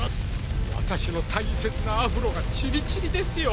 私の大切なアフロがチリチリですよ！